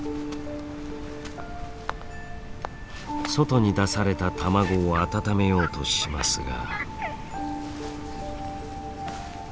外に出された卵を温めようとしますが。